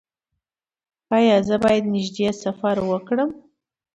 ایا زه باید نږدې سفر وکړم؟